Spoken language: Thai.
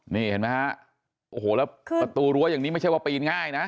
นี่เห็นไหมฮะโอ้โหแล้วประตูรั้วอย่างนี้ไม่ใช่ว่าปีนง่ายนะ